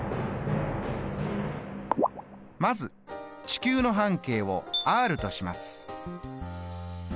まず地球の半径を「ｒ」とします。